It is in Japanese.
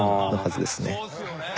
そうですよね！